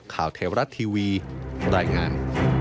ข่าวเทวรัฐทีวีรายงาน